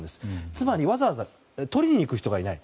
つまり、わざわざ取りに行く人がいない。